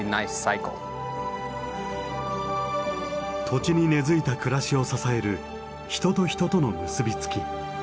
土地に根づいた暮らしを支える人と人との結び付き。